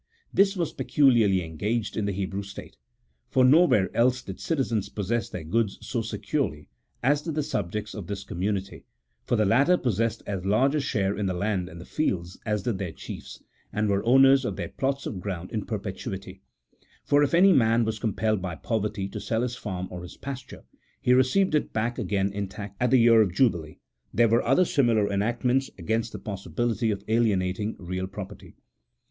This was peculiarly engaged in the Hebrew state, for nowhere else did citizens possess their goods so securely as did the subjects of this commu nity, for the latter possessed as large a share in the land and the fields as did their chiefs, and were owners of their plots of ground in perpetuity ; for if any man was compelled by poverty to sell his farm or his pasture, he received it back again intact at the year of jubilee : there were other similar enactments against the possibility of alienating real property.